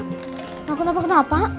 kenapa kenapa nggak mau